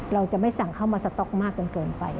เราจะไม่สั่งเข้ามาสต๊อกมากจนเกินไป